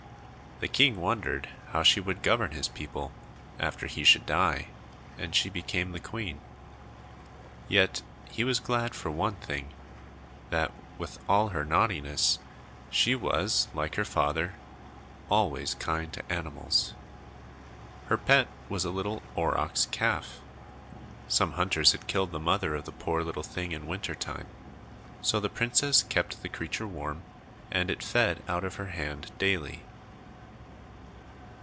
The king wondered how she would govern his people, after he should die, and she became the queen. Yet he was glad for one thing: that, with all her naughtiness, she was, like her father, always kind to animals. Her pet was a little aurochs calf. Some hunters had killed the mother of the poor little thing in winter time. So the princess kept the creature warm and it fed out of her hand daily.